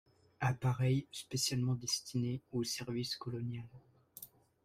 Appareil spécialement destiné au service colonial.